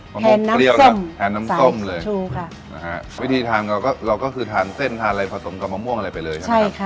หมกเปรี้ยวแล้วทานน้ำส้มเลยถูกค่ะนะฮะวิธีทานเราก็เราก็คือทานเส้นทานอะไรผสมกับมะม่วงอะไรไปเลยใช่ไหมครับ